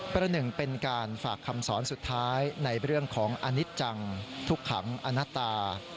ประหนึ่งเป็นการฝากคำสอนสุดท้ายในเรื่องของอนิจังทุกขังอนัตตา